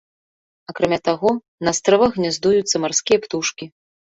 Акрамя таго, на астравах гняздуюцца марскія птушкі.